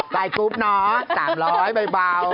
ลายกุ๊บเนาะ๓๐๐เป็นเบา